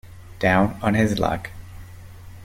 Down on his luck.